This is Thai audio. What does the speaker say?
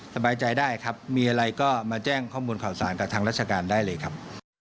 สบายใจได้ครับมีอะไรก็มาแจ้งข้อมูลข่าวสารกับทางราชการได้เลยครับ